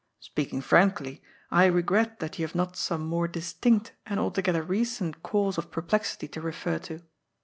Speaking frankly, I regret that you have not some more distinct and altogether recent cause of perplexity to refer to.